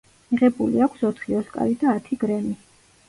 მიღებული აქვს ოთხი ოსკარი და ათი გრემი.